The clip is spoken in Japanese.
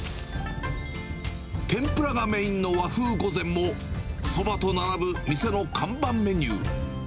天ぷらがメインの和風御膳も、そばと並ぶ店の看板メニュー。